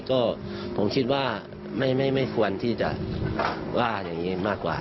ก็ผมคิดว่าไม่ไม่ไม่ควรที่จะว่าแบบนี้มากกว่า